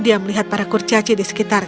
dia melihat para kurcaci di sekitar